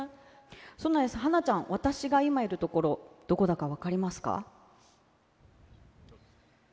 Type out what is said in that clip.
はなちゃん、私が今いる所、どこだか分かりますか？